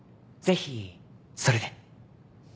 ぜひそれで。